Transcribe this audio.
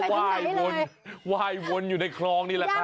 ว้ายวนว้ายวนอยู่ในคลองนี้แหละครับ